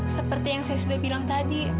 seperti yang saya sudah bilang tadi